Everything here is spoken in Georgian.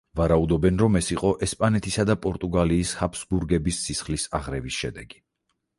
ვარაუდობენ, რომ ეს იყო ესპანეთისა და პორტუგალიის ჰაბსბურგების სისხლის აღრევის შედეგი.